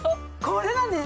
これがね